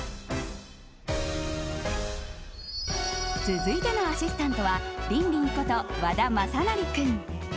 続いてのアシスタントはりんりんこと和田雅成君。